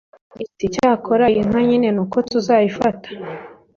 iti icyakora iyi nka nyine nuko tuzayifata.